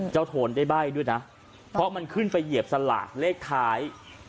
โทนได้ใบ้ด้วยนะเพราะมันขึ้นไปเหยียบสลากเลขท้าย